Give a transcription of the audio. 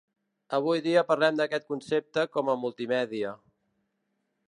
Avui dia parlem d'aquest concepte com a multimèdia.